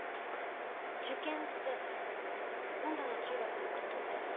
受験って本土の中学へ行くってこと？